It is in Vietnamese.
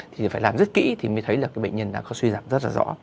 thì phải làm rất kỹ thì mới thấy là bệnh nhân đã có suy giảm rất rõ